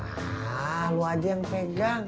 ah lo aja yang pegang